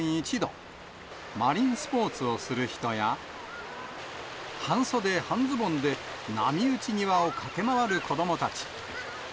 マリンスポーツをする人や、半袖半ズボンで、波打ち際を駆け回る子どもたち。